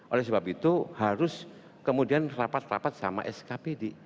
oleh sebab itu harus kemudian rapat rapat sebut